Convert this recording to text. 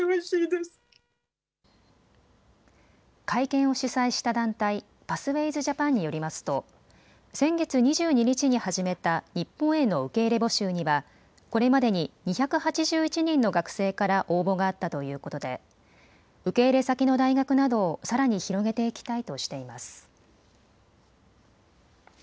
会見を主催した団体、パスウェイズ・ジャパンによりますと先月２２日に始めた日本への受け入れ募集にはこれまでに２８１人の学生から応募があったということで受け入れ先の大学などをさらに広げていきたいとしています。